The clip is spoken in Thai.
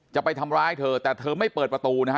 จะไปทำร้ายเธอแต่เธอไม่เปิดประตูนะฮะ